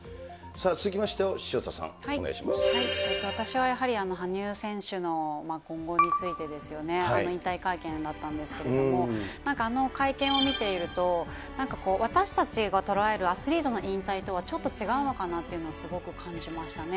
さあ、続きまして、潮田さん、私はやはり羽生選手の今後についてですよね。引退会見だったんですけども、あの会見を見ていると、私たちが捉えるアスリートの引退とはちょっと違うのかなというのをすごく感じましたね。